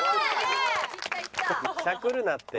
しゃくるなって。